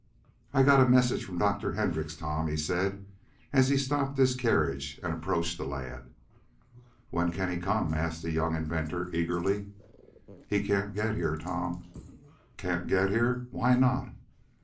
"I've got a message from Dr. Hendrix, Tom," he said, as he stopped his carriage, and approached the lad. "When can he come?" asked the young inventor, eagerly. "He can't get here, Tom." "Can't get here! Why not?"